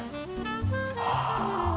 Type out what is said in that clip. ああ。